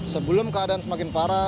sebelum keadaan semakin parah